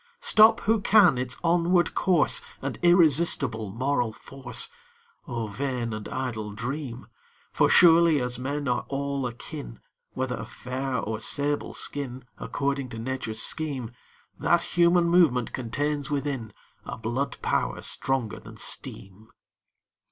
Stop who can its onward course And irresistible moral force; O vain and idle dream! For surely as men are all akin, Whether of fair or sable skin, According to Nature's scheme, That Human Movement contains within A Blood Power stronger than Steam.